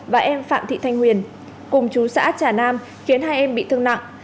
và em phạm thị thanh huyền cùng chú xã trà nam khiến hai em bị thương nặng